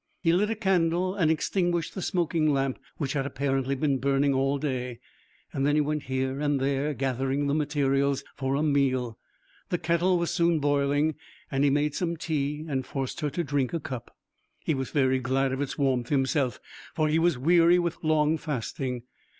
He lit a candle and extinguished the smoking lamp, which had apparently been burning all day. Then he went here and there gathering the materials for a meal. The kettle was soon boiling, and he made some tea and forced her to drink a cup. He was very glad of its warmth himself, for he was weary with long fasting.